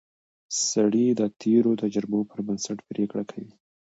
سړی د تېرو تجربو پر بنسټ پریکړه کوي